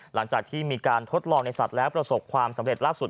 หลังจากที่มีการทดลองในสัตว์แล้วประสบความสำเร็จล่าสุด